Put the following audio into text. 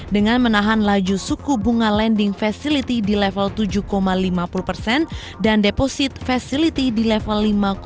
dengan menahan laju suku bunga lending facility di level tujuh lima puluh persen dan deposit facility di level lima tujuh